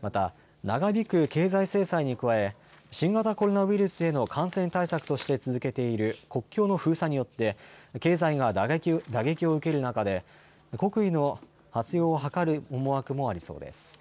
また長引く経済制裁に加え新型コロナウイルスへの感染対策として続けている国境の封鎖によって経済が打撃を受ける中で国威の発揚を図る思惑もありそうです。